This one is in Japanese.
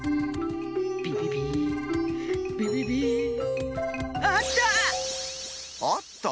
ビビビビビビあった！